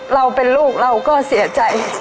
เราเป็นลูกเราก็เสียใจ